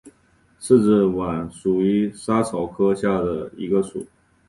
刺子莞属是莎草科下的一个属。